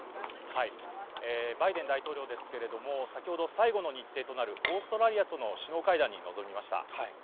バイデン大統領ですけれども、先ほど、最後の日程となるオーストラリアとの首脳会談に臨みました。